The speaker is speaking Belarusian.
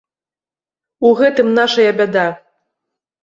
У гэтым нашая бяда.